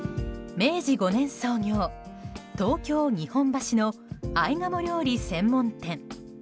明治５年創業東京・日本橋の合鴨料理専門店。